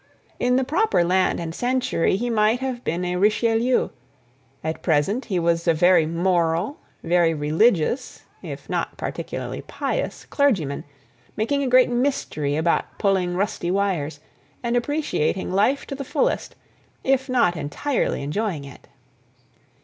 In the proper land and century he might have been a Richelieu—at present he was a very moral, very religious (if not particularly pious) clergyman, making a great mystery about pulling rusty wires, and appreciating life to the fullest, if not entirely enjoying it.